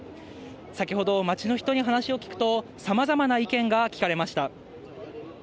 先ほど、街の人に話を聞くと、さまざまな意見が聞かれました。